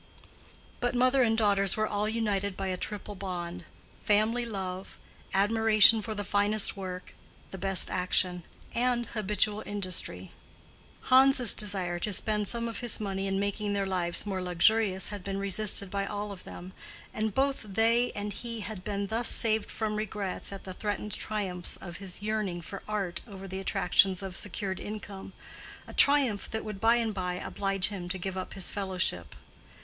But mother and daughters were all united by a triple bond—family love; admiration for the finest work, the best action; and habitual industry. Hans' desire to spend some of his money in making their lives more luxurious had been resisted by all of them, and both they and he had been thus saved from regrets at the threatened triumphs of his yearning for art over the attractions of secured income—a triumph that would by and by oblige him to give up his fellowship.